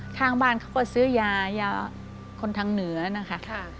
ข้างบ้านเขาก็ซื้อยายาคนทางเหนือนะคะ